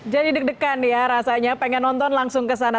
jadi deg degan ya rasanya pengen nonton langsung ke sana